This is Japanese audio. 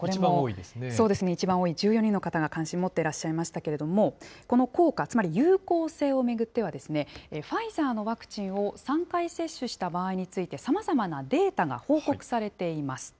そうですね、一番多い１４人の方が、関心持っていらっしゃいましたけれども、この効果、つまり有効性を巡っては、ファイザーのワクチンを３回接種した場合について、さまざまなデータが報告されています。